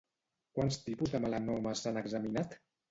Quants tipus de melanomes s'han examinat?